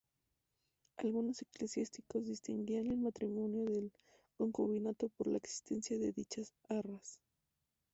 Algunos eclesiásticos distinguían el matrimonio del concubinato por la existencia de dichas arras.